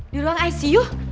di ruang icu